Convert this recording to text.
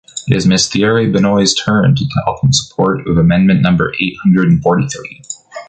It is Mr Thierry Benoit’s turn to talk in support of amendment number eight hundred and forty-three.